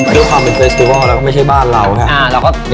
ด้วยความเป็นเฟสติวัลแล้วก็ไม่ใช่บ้านเรานะครับ